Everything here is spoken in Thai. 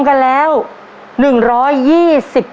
ขอบคุณครับขอบคุณครับ